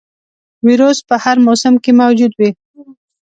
ویروس په هر موسم کې موجود وي.